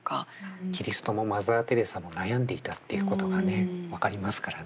キリストもマザー・テレサも悩んでいたっていうことがね分かりますからね